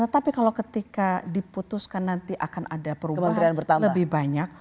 tapi kalau ketika diputuskan nanti akan ada perubahan lebih banyak